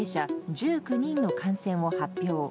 １９人の感染を発表。